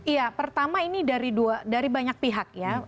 iya pertama ini dari banyak pihak ya